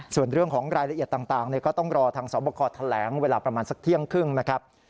ส่วนเรื่องของรายละเอียดต่างก็ต้องรอทางสอบคอแถลงเวลาประมาณสักเที่ยงครึ่งนะครับ